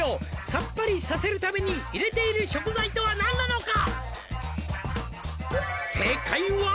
「さっぱりさせるために入れている食材とは何なのか？」